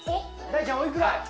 大ちゃん、おいくら？